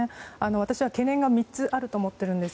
私は懸念が３つあると思ってるんです。